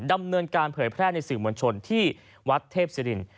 ดำเนินการเผยแพร่ในสื่อมวลชนที่วัดเทพศิริน